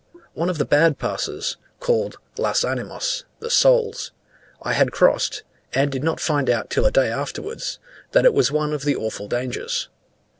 One of the bad passes, called las Animas (the souls), I had crossed, and did not find out till a day afterwards, that it was one of the awful dangers.